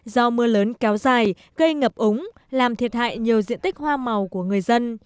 do mưa lớn kéo dài gây ngập úng làm thiệt hại nhiều diện tích hoa màu của người dân